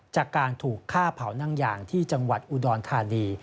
จากการถูกฆ่าเผานั่งยางที่จังหวัดอุดรธานี